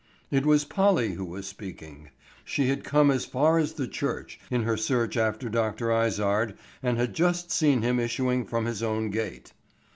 It was Polly who was speaking. She had come as far as the church in her search after Dr. Izard and had just seen him issuing from his own gate.